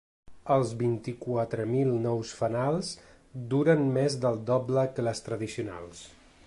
Els vint-i-quatre mil nous fanals duren més del doble que les tradicionals.